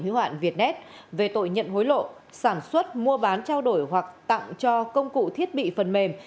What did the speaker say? hữu hoạn việtnet về tội nhận hối lộ sản xuất mua bán trao đổi hoặc tặng cho công cụ thiết bị phần mềm